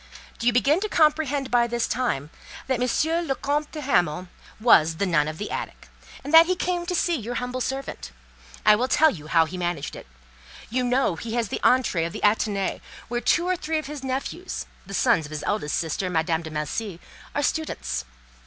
"Do you begin to comprehend by this time that M. le Comte de Hamal was the nun of the attic, and that he came to see your humble servant? I will tell you how he managed it. You know he has the entrée of the Athénée, where two or three of his nephews, the sons of his eldest sister, Madame de Melcy, are students.